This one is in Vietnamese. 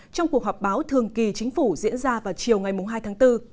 trong cuộc họp báo thường kỳ chính phủ diễn ra vào chiều ngày hai tháng bốn